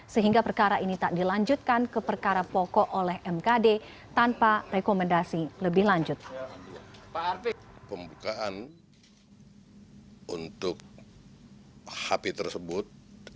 sehingga perkara ini tak dilanjutkan ke perkara pokok oleh mkd tanpa rekomendasi lebih lanjut